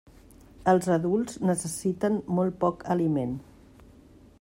Els adults necessiten molt poc aliment.